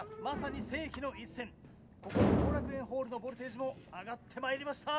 ここ後楽園ホールのボルテージも上がってまいりました。